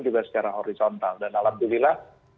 juga secara horizontal dan alhamdulillah